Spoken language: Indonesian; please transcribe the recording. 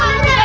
kamu dulu lah